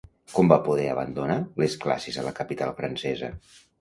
Com va poder abonar les classes a la capital francesa?